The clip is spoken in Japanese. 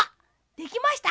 できました？